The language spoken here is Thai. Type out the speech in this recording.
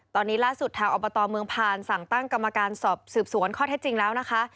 ตอนนี้ล่าสุดทางอบตเมืองผ่านสั่งตั้งกรรมการสอบสืบสวนข้อเท็จจริงแล้วนะคะ